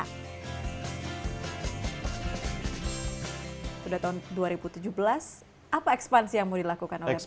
sudah tahun dua ribu tujuh belas apa ekspansi yang mau dilakukan oleh pemerintah